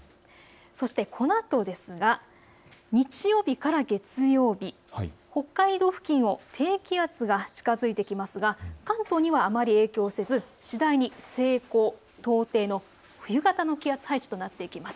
そして、このあとですが日曜日から月曜日、北海道付近を低気圧が近づいてきますが関東にはあまり影響せず、次第に西高東低の冬型の気圧配置となっていきます。